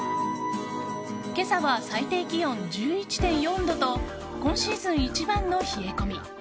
今朝は最低気温１１．４度と今シーズン一番の冷え込み。